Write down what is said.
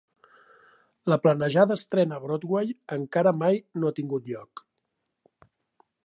La planejada estrena a Broadway encara mai no ha tingut lloc.